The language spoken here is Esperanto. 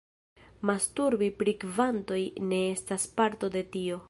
Masturbi pri kvantoj ne estas parto de tio.